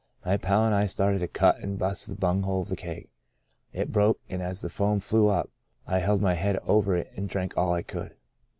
My pal and I started to cut, and bust in the bung hole of the keg. It broke, and as the foam flew up, I held my head over it and drank all I could.